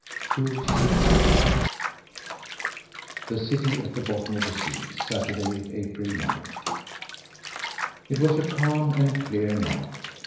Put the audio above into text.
TWO CITIES THE CITY AT THE BOTTOM OF THE SEA Saturday, April ninth. It was a calm and clear night.